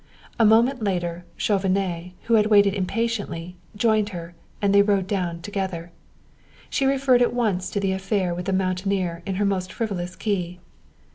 A moment later Chauvenet, who had waited impatiently, joined her, and they rode down together. She referred at once to the affair with the mountaineer in her most frivolous key.